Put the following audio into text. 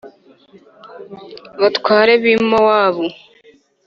batware b i Mowabu